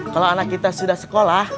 kalau anak kita sudah sekolah